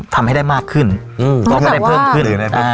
ทำให้ได้มากขึ้นก็คือได้เพิ่มขึ้น